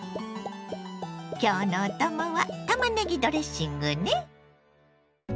今日のお供はたまねぎドレッシングね。